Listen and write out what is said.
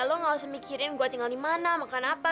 lo gak usah mikirin gue tinggal dimana makan apa